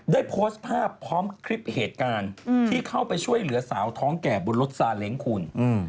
ได้โพสต์ภาพพร้อมคลิปเหตุการณ์ที่เข้าไปช่วยเหลือสาวท้องแก่บนรถซาเล้งคุณ